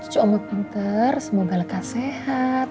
cucu omot punter semoga lekas sehat